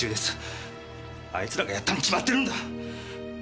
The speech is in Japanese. あいつらがやったに決まってるんだ！